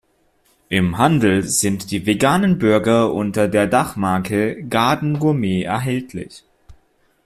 Im Handel sind die veganen Burger unter der Dachmarke "Garden Gourmet" erhältlich.